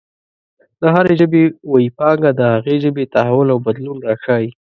د هرې ژبې ویي پانګه د هغې ژبې تحول او بدلون راښايي.